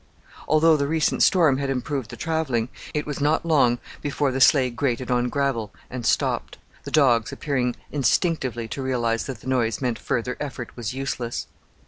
Although the recent storm had improved the travelling, it was not long before the sleigh grated on gravel and stopped, the dogs appearing instinctively to realize that the noise meant further effort was useless.